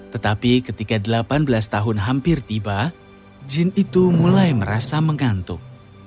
tetapi ketika delapan belas tahun hampir tiba jin itu mulai merasa mengantuk